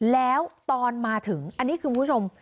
แล้วตอนมาถึงอันนี้คุณผู้ชม